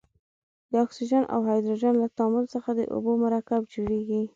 د اکسیجن او هایدروجن له تعامل څخه د اوبو مرکب جوړیږي.